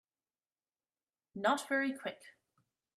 Not very Quick